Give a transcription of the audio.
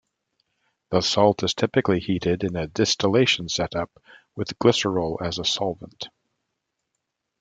The salt is typically heated in a distillation setup with glycerol as a solvent.